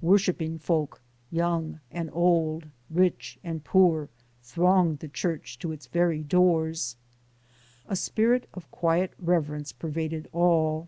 Worshiping folk, young and old, rich and poor, thronged the church to its very doors. A spirit of quiet reverence pervaded all.